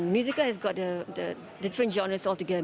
musikal memiliki jenis jenis yang berbeda